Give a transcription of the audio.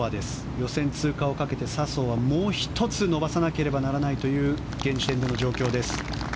予選通過をかけて笹生はもう１つ伸ばさなければならないという現時点の状況です。